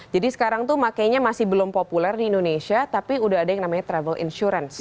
jadi sekarang tuh makanya masih belum populer di indonesia tapi udah ada yang namanya travel insurance